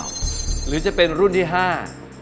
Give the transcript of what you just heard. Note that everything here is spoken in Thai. รุ่นที่๔หรือเปล่า